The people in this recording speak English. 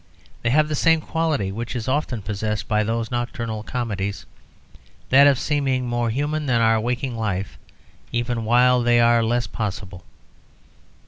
They have the same quality which is often possessed by those nocturnal comedies that of seeming more human than our waking life even while they are less possible.